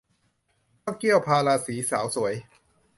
ต้องเกี้ยวพาราสีสาวสวย